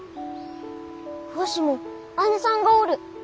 わしも姉さんがおる！